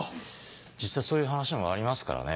実際そういう話もありますからね。